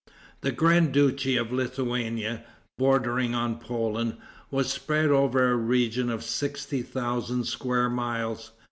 The grand duchy of Lithuania, bordering on Poland, was spread over a region of sixty thousand square miles.